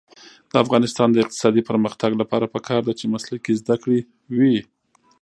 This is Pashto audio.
د افغانستان د اقتصادي پرمختګ لپاره پکار ده چې مسلکي زده کړې وي.